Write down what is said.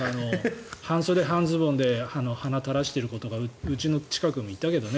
半袖半ズボンではなを垂らしてる子とかうちの近くにもいたけどね。